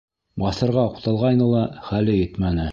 Баҫырға уҡталғайны ла, хәле етмәне.